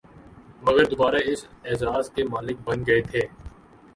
مگر دوبارہ اس اعزاز کے مالک بن گئے تھے